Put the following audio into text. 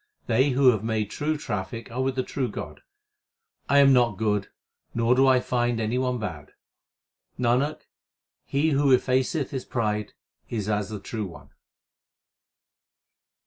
They who have made true traffic are with the true God. I am not good, nor do I find any one bad. Nanak, he who effaceth his pride is as the True One.